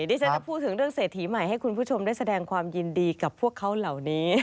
ที่ฉันจะพูดถึงเรื่องเศรษฐีใหม่ให้คุณผู้ชมได้แสดงความยินดีกับพวกเขาเหล่านี้